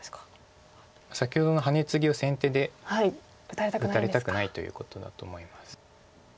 先ほどのハネツギを先手で打たれたくないということだと思います。